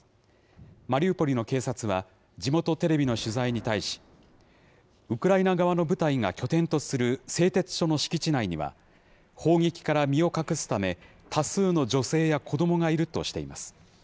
マリウポリの警察は、地元テレビの取材に対し、ウクライナ側の部隊が拠点とする製鉄所の敷地内には、砲撃から身を隠すため、多数の女性や子どもがいるとしています。